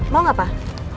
mau gak pak